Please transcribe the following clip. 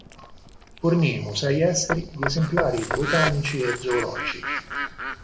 Fornì i musei esteri di esemplari botanici e zoologici.